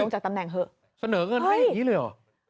จากตำแหน่งเถอะเสนอเงินให้อย่างนี้เลยเหรอ